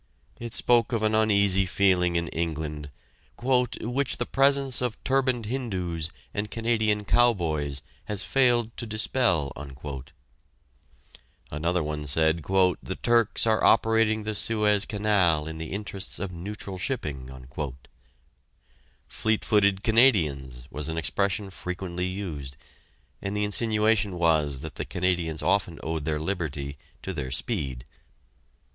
It spoke of an uneasy feeling in England "which the presence of turbaned Hindoos and Canadian cowboys has failed to dispel." Another one said, "The Turks are operating the Suez Canal in the interests of neutral shipping." "Fleet footed Canadians" was an expression frequently used, and the insinuation was that the Canadians often owed their liberty to their speed.